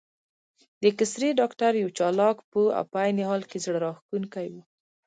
د اېکسرې ډاکټر یو چالاک، پوه او په عین حال کې زړه راښکونکی و.